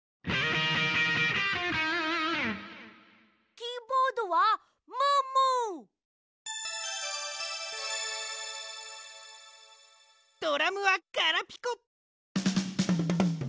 キーボードはムームー！ドラムはガラピコ！